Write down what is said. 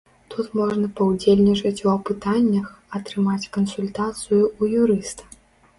Тут можна паўдзельнічаць у апытаннях, атрымаць кансультацыю ў юрыста.